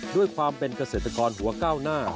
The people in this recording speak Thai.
ด้วยความเป็นเกษตรกรหัวก้าวหน้า